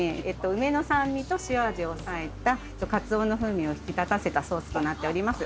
梅の酸味と塩味を抑えたカツオの風味を引き立たせたソースとなっております。